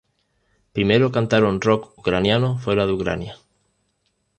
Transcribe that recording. Primero cantaron rock ucraniano fuera de Ucrania.